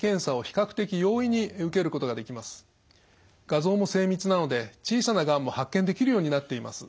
画像も精密なので小さながんも発見できるようになっています。